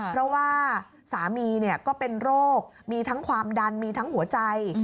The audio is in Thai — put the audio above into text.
เพราะว่าสามีก็เป็นโรคมีทั้งความดันมีทั้งหัวใจ